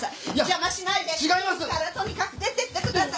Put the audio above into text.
いいからとにかく出てってください！